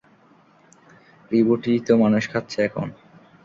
রিব্যুটই তো মানুষ খাচ্ছে এখন।